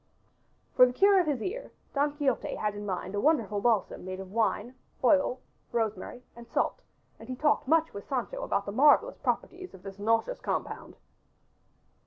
For the cure of his ear Don Quixote had in mind a wonderful balsam made of wine, oil, rosemary and salt, and he talked much with Sancho about the marvelous properties of this nauseous compound.